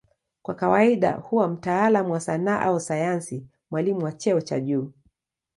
Kwa kawaida huwa mtaalamu wa sanaa au sayansi, mwalimu wa cheo cha juu.